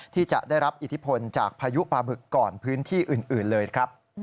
ที่จะได้รับอิทธิพลจากพายุปลาบึกก่อนพื้นที่อื่นเลยครับ